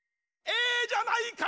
「ええじゃないか」